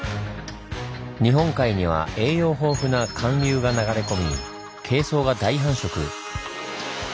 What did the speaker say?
日本海には栄養豊富な寒流が流れ込み珪藻が大繁殖。